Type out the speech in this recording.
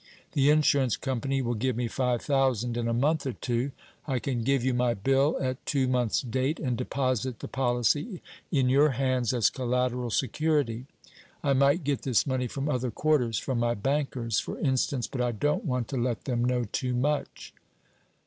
The insurance company will give me five thousand in a month or two. I can give you my bill at two months' date, and deposit the policy in your hands as collateral security. I might get this money from other quarters from my bankers', for instance; but I don't want to let them know too much."